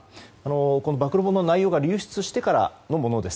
この暴露本の内容が流出してからのものです。